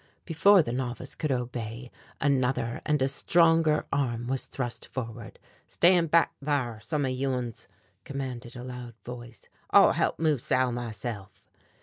Before the novice could obey another and a stronger arm was thrust forward. "Stand back thar, some of you uns," commanded a loud voice, "I'll holp move Sal myself."